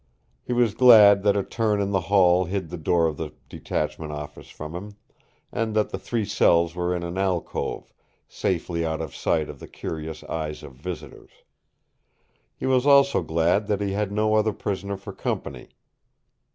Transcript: He was glad that a turn in the hall hid the door of the detachment office from him, and that the three cells were in an alcove, safely out of sight of the curious eyes of visitors. He was also glad that he had no other prisoner for company.